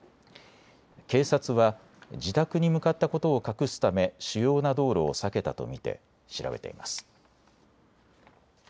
警察は自宅に向かったことを隠すため主要な道路を避けたと見て調べています。